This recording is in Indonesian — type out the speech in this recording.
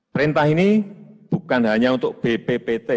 perintah ini bukan hanya untuk bppt